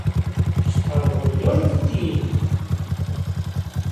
Estamos orgullosos de ti!